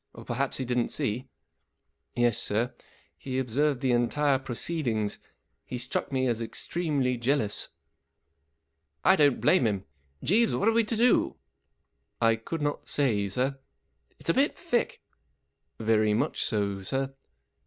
Or perhaps he didn't see ?" 44 Yes, sir, he observed the entire proceed¬ ings. He struck me as extremely jealous." " I don't blame him. Jeeves, what are we to do ?" 44 I could not say, sir." 44 It's a bit thick." 44 Very much so, sir."